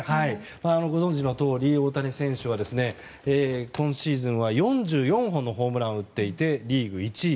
ご存じのとおり大谷選手は今シーズンは４４本のホームランを打っていてリーグ１位。